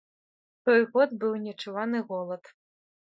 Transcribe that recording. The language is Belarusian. Той год быў нечуваны голад.